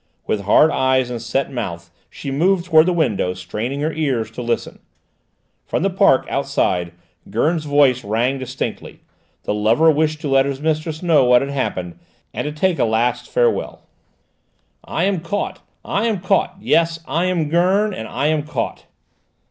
With hard eyes and set mouth she moved towards the window, straining her ears to listen. From the park outside Gurn's voice rang distinctly; the lover wished to let his mistress know what had happened, and to take a last farewell. "I am caught, I am caught! Yes, I am Gurn, and I am caught!"